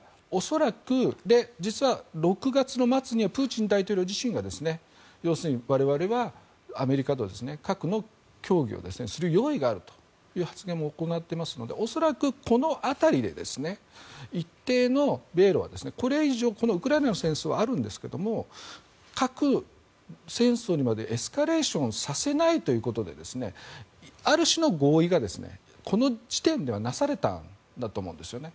実は、６月末にはプーチン大統領自身が我々がアメリカと核の協議をする用意があるという発言を行っていますので恐らく、この辺りで一定の米ロはウクライナの戦争はあるんですけど核戦争にまで、エスカレーションさせないということである種の合意が、この時点ではなされたんだと思うんですね。